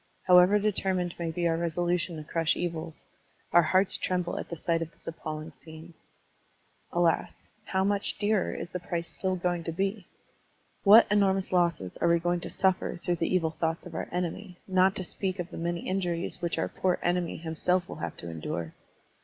How ever determined may be our resolution to crush evils, our hearts tremble at the sight of this appalling scene. Alas! How much dearer is the price still going to be? What enormous losses are we going to suffer through the evil thoughts of our enemy, not to speak of the many injuries which our poor enemy himself will have to endure?